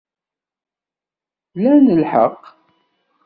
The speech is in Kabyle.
Lan lḥeqq.